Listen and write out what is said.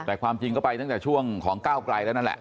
แต่ความจริงก็ไปตั้งแต่ช่วงของก้าวไกลแล้วนั่นแหละ